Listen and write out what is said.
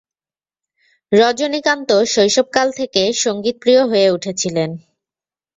রজনীকান্ত শৈশবকাল থেকে সঙ্গীতপ্রিয় হয়ে উঠেছিলেন।